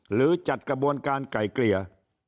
หรือจัดกระบวนการไก่เกลี่ย